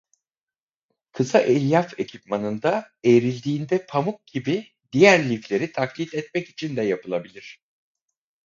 Kısa elyaf ekipmanında eğrildiğinde pamuk gibi diğer lifleri taklit etmek için de yapılabilir.